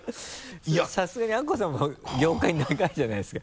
さすがにアッコさんも業界長いじゃないですか。